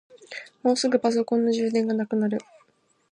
もうすぐパソコンの充電がなくなる。